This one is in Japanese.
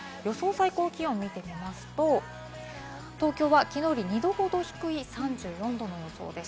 最高気温を見てみますと、東京はきのうより２度ほど低い、３４度の予想です。